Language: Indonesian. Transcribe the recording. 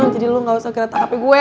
jadi lu gak usah geratak hape gue